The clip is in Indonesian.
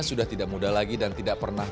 sudah tidak muda lagi dan tidak pernah